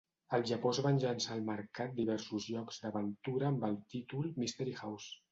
Al Japó es van llançar al mercat diversos jocs d'aventura amb el títol Mystery House.